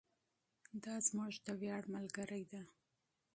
دا زموږ د ویاړ ملګرې ده.